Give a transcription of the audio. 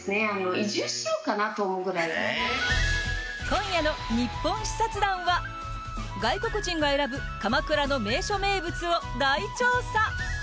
今夜の「ニッポン視察団」は外国人が選ぶ鎌倉の名所名物を大調査。